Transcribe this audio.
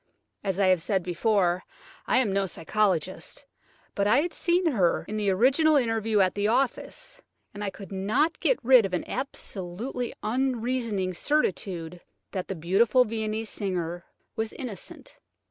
As I have said before, I am no psychologist, but I had seen her in the original interview at the office, and I could not get rid of an absolutely unreasoning certitude that the beautiful Viennese singer was innocent.